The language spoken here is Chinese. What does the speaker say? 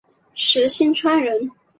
石星川人。